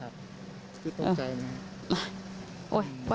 ครับคือตกใจมั้ย